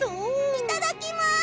いただきます！